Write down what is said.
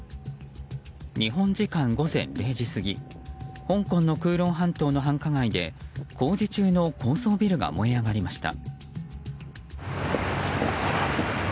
日本時間午前０時過ぎ香港のクーロン半島の繁華街で工事中の高層ビルが燃え上がりました。